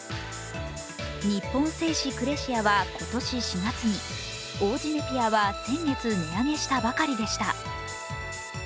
日本製紙クレシアは今年４月に、王子ネピアは先月、値上げしたばかりでした。